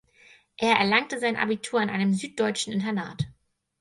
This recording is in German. Er erlangte sein Abitur an einem süddeutschen Internat.